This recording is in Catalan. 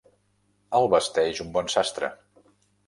El vesteix un bon sastre.